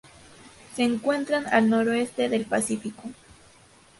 Se encuentran al noroeste del Pacífico.